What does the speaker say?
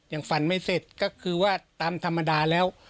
ยังฝันไม่เสร็จก็คือว่าตามธรรมดาแล้ว